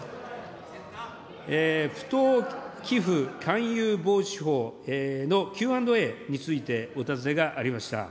不当寄付勧誘防止法のＱ＆Ａについてお尋ねがありました。